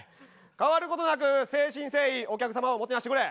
変わることなく誠心誠意、お客様をもてなしてくれ！